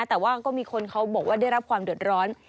แต่ว่าก็มีคนเขาบอกว่าได้รับความเดือดร้อน